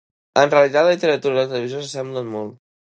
En realitat, la literatura i la televisió s'assemblen molt.